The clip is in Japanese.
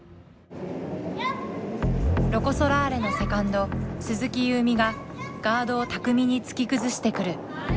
ロコ・ソラーレのセカンド鈴木夕湖がガードを巧みに突き崩してくる。